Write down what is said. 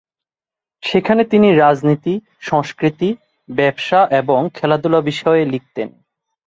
সেখানে তিনি রাজনীতি, সংস্কৃতি, ব্যবসা এবং খেলাধুলা বিষয়ে লিখতেন।